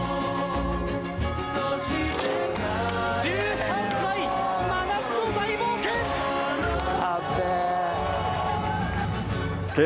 １３歳、真夏の大冒険！やべー。